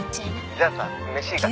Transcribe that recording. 「じゃあさ飯行かない？」